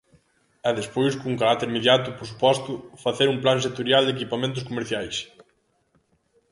E despois, con carácter mediato, por suposto, facer un plan sectorial de equipamentos comerciais.